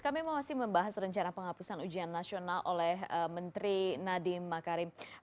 kami masih membahas rencana penghapusan ujian nasional oleh menteri nadiem makarim